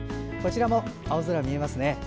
こちらも青空見えますね。